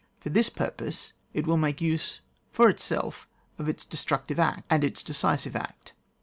For this purpose it will make use for itself of its destructive act and its decisive act.